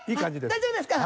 大丈夫ですか？